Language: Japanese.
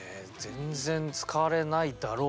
全然使われないだろう